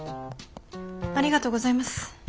ありがとうございます。